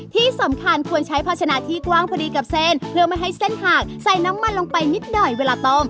ที่สำคัญควรใช้ภาชนะที่กว้างพอดีกับเส้นเพื่อไม่ให้เส้นหากใส่น้ำมันลงไปนิดหน่อยเวลาต้ม